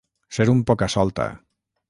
Ser un poca-solta.